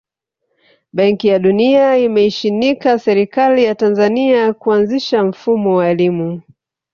Benki ya dunia imeishinikiza serikali ya Tanzania kuanzisha mfumo wa elimu